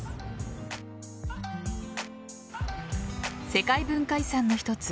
世界文化遺産の一つ